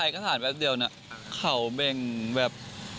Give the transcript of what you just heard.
ครับ